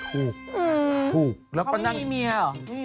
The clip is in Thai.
ถูกถูกเขาก็ไม่มีเมียเหรอ